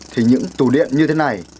thì những tủ điện như thế này